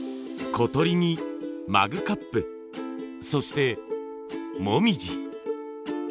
小鳥にマグカップそして紅葉。